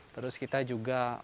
terus kita juga